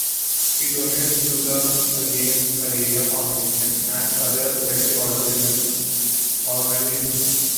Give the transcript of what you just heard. He donates to the Against Malaria Foundation and other effective altruism organizations.